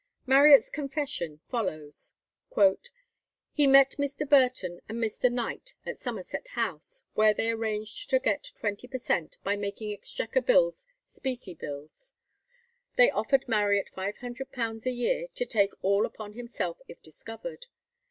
Marriott's confession follows: "He met Mr. Burton and Mr. Knight at Somerset House, where they arranged to get twenty per cent. by making Exchequer bills specie bills; they offered Marriott £500 a year to take all upon himself if discovered.